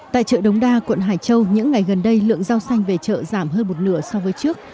tại chợ đống đa quận hải châu những ngày gần đây lượng rau xanh về chợ giảm hơn một nửa so với trước